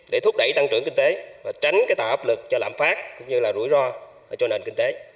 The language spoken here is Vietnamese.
để thúc đẩy tăng trưởng kinh tế và tránh tạo áp lực cho lạm phát cũng như là rủi ro cho nền kinh tế